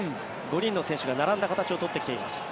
５人の選手が並んだ形を取ってきています。